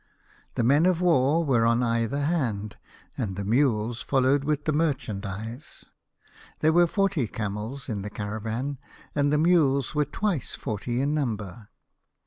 The men of war were on either hand, and the mules followed with the merchandise. There were forty camels in the caravan, and the mules were twice forty in number.